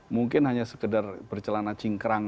mungkin hanya sekedar bercelana cingkrang